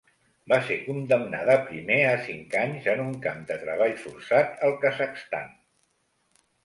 Va ser condemnada primer a cinc anys en un camp de treball forçat al Kazakhstan.